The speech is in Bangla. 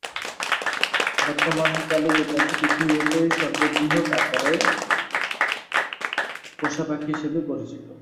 তবে বর্তমানকালে এ পাখি পৃথিবী ব্যাপী, বৃহৎ আকারের পোষা পাখি হিসেবে পরিচিত।